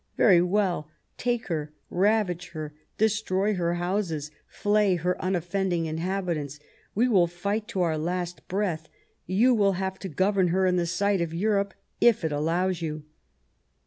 Very well ; take her, ravage her, destroy her houses, flay her unoffend ing inhabitants. We will fight to our last breath ; you will have to govern her in the sight of Europe, if it allows you."